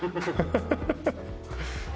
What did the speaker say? ハハハハ！